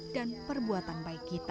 dan perbuatan baik kita